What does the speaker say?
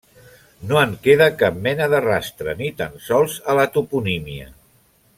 No en queda cap mena de rastre, ni tan sols a la toponímia.